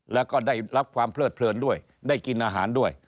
แล้วก็ได้รับความเพลิดเพลินด้วยได้กินอาหารด้วย